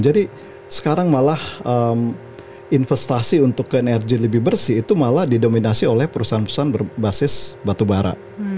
jadi sekarang malah investasi untuk energi lebih bersih itu malah didominasi oleh perusahaan perusahaan berbasis batu bara